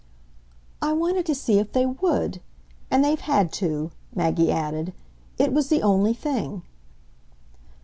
"I wanted to see if they WOULD. And they've had to," Maggie added. "It was the only thing."